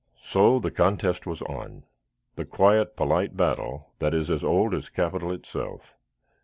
So the contest was on the quiet, polite battle that is as old as capital itself.